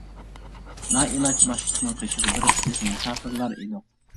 نائىلاج باشلىقنىڭ قېشىغا بېرىپ بىز مۇساپىرلار ئىدۇق.